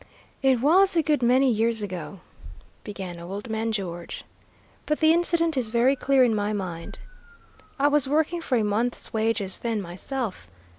"It was a good many years ago," began old man George, "but the incident is very clear in my mind. I was working for a month's wages then myself.